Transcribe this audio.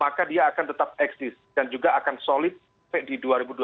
maka dia akan tetap eksis dan juga akan solid sampai di dua ribu dua puluh